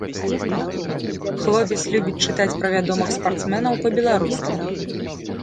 Хлопец любіць чытаць пра вядомых спартсменаў па-беларуску.